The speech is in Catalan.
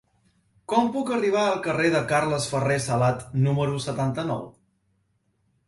Com puc arribar al carrer de Carles Ferrer Salat número setanta-nou?